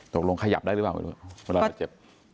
ตกลงขยับได้หรือเปล่าเวลาเจ็บ